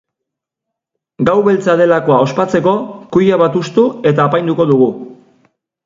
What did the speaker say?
Gau Beltza delakoa ospatzeko kuia bat hustu eta apainduko dugu.